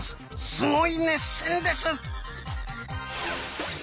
すごい熱戦です！